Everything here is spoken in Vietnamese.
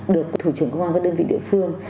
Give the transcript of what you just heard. được thủ trưởng công an các đơn vị địa phương